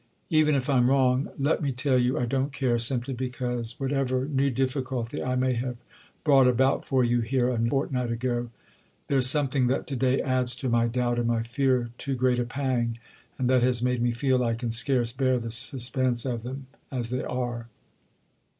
"Even if I'm wrong, let me tell you, I don't care—simply because, whatever new difficulty I may have brought about for you here a fortnight ago, there's something that to day adds to my doubt and my fear too great a pang, and that has made me feel I can scarce bear the suspense of them as they are."